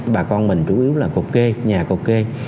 bà con mình chủ yếu là cột kê nhà cầu kê